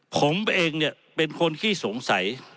ผมเองเนี่ยเป็นคนขี้สงสัย